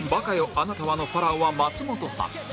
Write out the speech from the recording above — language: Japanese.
貴方はのファラオは松本さん